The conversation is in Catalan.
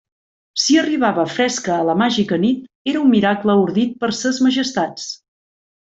Si arribava fresca a la màgica nit, era un miracle ordit per Ses Majestats.